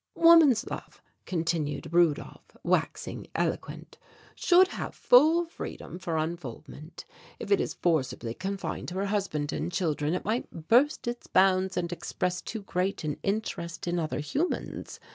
"Woman's love," continued Rudolph, waxing eloquent, "should have full freedom for unfoldment. If it be forcibly confined to her husband and children it might burst its bounds and express too great an interest in other humans.